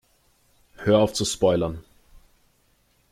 Hör auf zu spoilern!